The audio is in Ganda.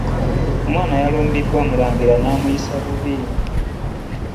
Omwana yalumbiddwa mulangira namuyisa bubi.